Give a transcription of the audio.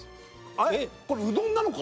あれっこれうどんなのか！？